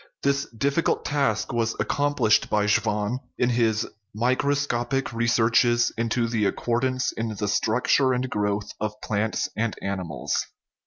This difficult task was accomplished by Schwann in his Microscopic Researches into the Accordance in the Structure and Growth of Plants and Animals (1839).